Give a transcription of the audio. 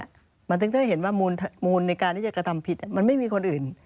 มันถึงได้เห็นว่ามูลในการที่จะกระทำผิดมันไม่มีคนอื่น